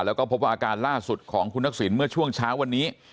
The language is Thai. แล้วก็พบว่าอาการล่าสุดของคุณทักษิณเมื่อช่วงเช้าวันนี้